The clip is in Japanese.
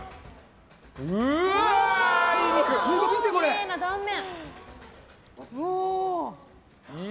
きれいな断面！